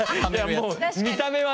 もう見た目はね。